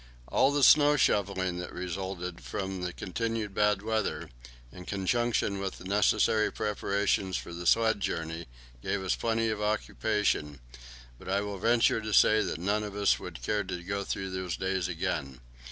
All the snow shovelling that resulted from the continued bad weather, in conjunction with the necessary preparations for the sledge journey, gave us plenty of occupation, but I will venture to say that none of us would care to go through those days again.